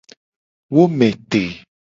Wo me te.